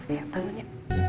iya bangun ya